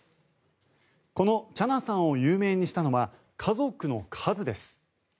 このチャナさんを有名にしたのは家族の数です。